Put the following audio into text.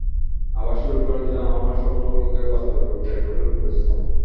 আবার শুরু করে দিলাম আমার স্বপ্নগুলোকে বাস্তবে রূপ দেয়ার কঠোর পরিশ্রম।